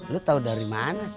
lo tau dari mana